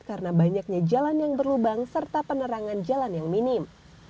karena banyaknya jalan yang berlubang serta penerangan jalan yang minim